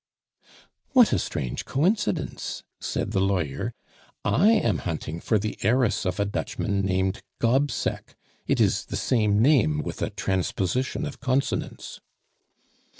"What a strange coincidence!" said the lawyer. "I am hunting for the heiress of a Dutchman named Gobseck it is the same name with a transposition of consonants."